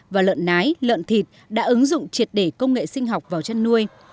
và lợn nái lợn thịt đã ứng dụng triệt để công nghệ sinh học vào chăn nuôi